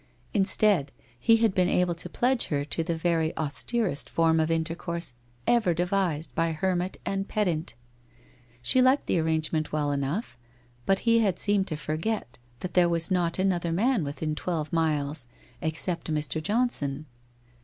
Instead, he had been able to pledge her to the very austerest form of intercourse ever devised by hermit and pedant. She liked the arrangement well enough, but he had seemed to forget that there was not another man within twelve miles except Mr. Johnson.